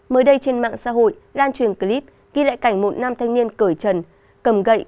mới đây trên mạng xã hội lan truyền clip ghi lại cảnh một nam thanh niên cởi trần cầm gậy